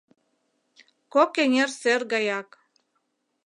Кок эҥер сер гаяк.